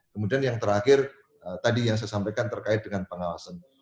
kemudian yang terakhir tadi yang saya sampaikan terkait dengan pengawasan